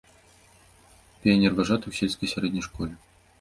Піянерважаты ў сельскай сярэдняй школе.